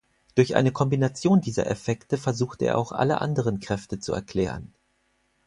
Durch eine Kombination dieser Effekte versuchte er auch alle anderen Kräfte zu erklären.